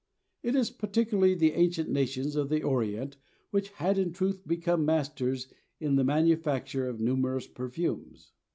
It is particularly the ancient nations of the Orient which had in truth become masters in the manufacture of numerous perfumes.